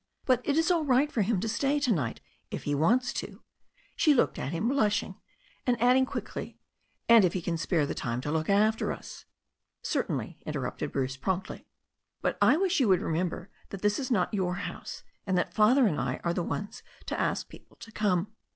But it is all right for him to stay to night if he wants to—" she looked at him, blushing, and adding quickly — "and if he can spare the time to look after us." "Certainly," interrupted Bruce promptly. "But I wish you would remember that this is not yotir house, and that Father and I are the ones to ask people to come.